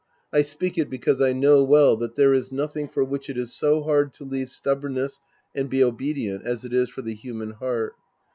I speak it because I know well that there is nothing for which it is so hard to leave stubbornness and be obedient as it is for the human heart.